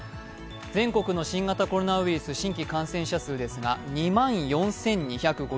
全国の新型コロナウイルス新規感染者数ですが２万４２５８人。